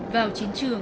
vào chiến trường